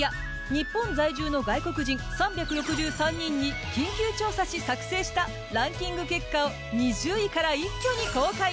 日本在住の外国人３６３人に緊急調査し作成したランキング結果を２０位から一挙に公開。